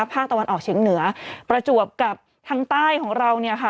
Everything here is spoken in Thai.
ภาคตะวันออกเฉียงเหนือประจวบกับทางใต้ของเราเนี่ยค่ะ